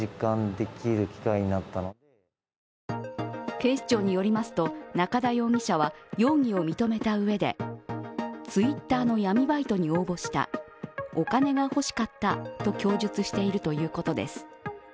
警視庁によりますと、中田容疑者は容疑を認めたうえで、Ｔｗｉｔｔｅｒの闇バイトに応募した、お金が欲しかったと供述しているということです。